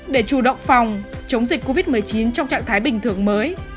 để chủ động phòng chống dịch covid một mươi chín trong trạng thái bình thường mới